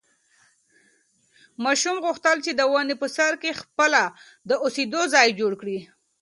ماشوم غوښتل چې د ونې په سر کې خپله د اوسېدو ځای جوړ کړي.